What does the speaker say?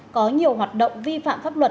có nhiều hoạt động vi phạm pháp luật